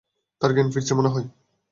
তার জ্ঞান ফিরছে মনে হয়।